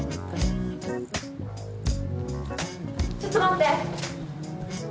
ちょっと待って！